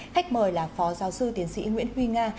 khách mời là phó giáo sư tiến sĩ nguyễn huy nga